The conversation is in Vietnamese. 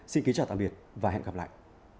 xin kính chào và hẹn gặp lại